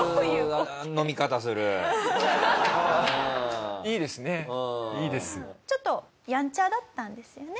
いいですね。